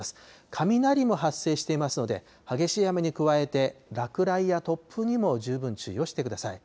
雷も発生していますので、激しい雨に加えて落雷や突風にも十分注意をしてください。